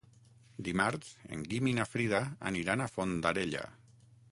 Dimarts en Guim i na Frida aniran a Fondarella.